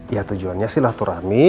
ya itu tujuannya silaturahmi